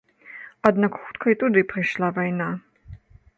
Аднак хутка і туды прыйшла вайна.